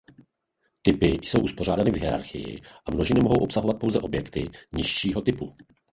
Typy jsou uspořádány v hierarchii a množiny mohou obsahovat pouze objekty nižšího typu.